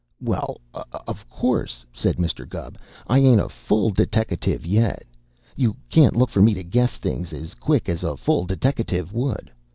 "Well, of course," said Mr. Gubb, "I ain't a full deteckative yet. You can't look for me to guess things as quick as a full deteckative would.